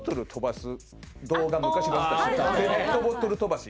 ペットボトル飛ばし。